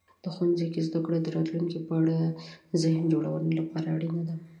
ښوونځي کې زده کړه د راتلونکي په اړه د ذهن جوړونې لپاره اړینه ده.